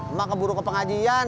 emang keburu ke pengajian